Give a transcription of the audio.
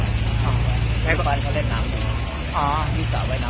เรื่องสัญลักษณะเราได้ตรงไหน